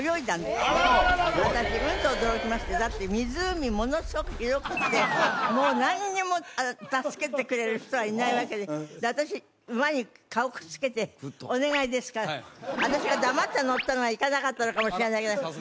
私うんと驚きましてだって湖ものすごく広くてもう何も助けてくれる人はいないわけでで私馬に顔くっつけて「お願いですから私が黙って乗ったのが」